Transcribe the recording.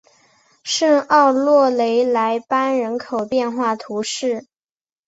圣奥诺雷莱班人口变化图示